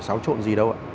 xáo trộn gì đâu ạ